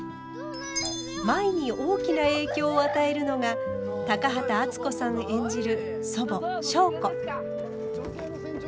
舞に大きな影響を与えるのが高畑淳子さん演じる祖母祥子。